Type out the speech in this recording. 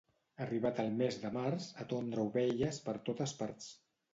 Arribat el mes de març, a tondre ovelles per totes parts.